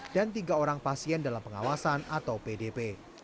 tiga orang pasien dalam pengawasan atau pdp